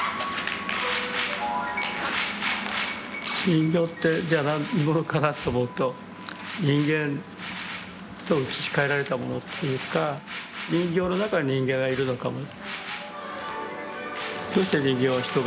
人形ってじゃ何者かなと思うと人間と移しかえられたものというか人形の中に人間がいるのかも。